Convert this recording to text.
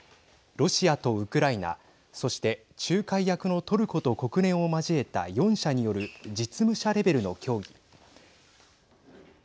ロシアとウクライナそして仲介役のトルコと国連を交えた４者による実務者レベルの協議。